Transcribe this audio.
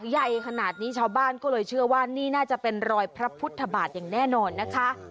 ใหญ่ขนาดนี้ชาวบ้านก็เลยเชื่อว่านี่น่าจะเป็นรอยพระพุทธบาทอย่างแน่นอนนะคะ